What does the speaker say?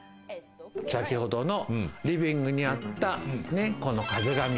先ほどのリビングにあった壁紙。